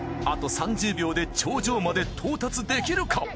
あと３０秒で頂上まで到達できるか？